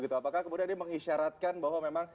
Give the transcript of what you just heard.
apakah kemudian ini mengisyaratkan bahwa memang